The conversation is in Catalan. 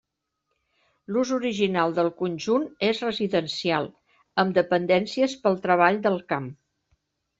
L'ús original del conjunt és residencial amb dependències pel treball del camp.